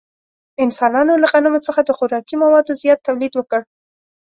انسانانو له غنمو څخه د خوراکي موادو زیات تولید وکړ.